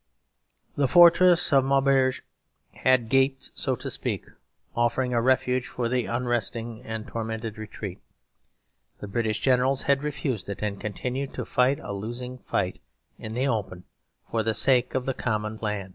The fortress of Maubeuge had gaped, so to speak, offering a refuge for the unresting and tormented retreat; the British Generals had refused it and continued to fight a losing fight in the open for the sake of the common plan.